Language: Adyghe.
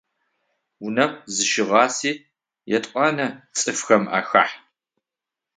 Унэм зыщыгъасе етӏуанэ цӏыфмэ ахахь.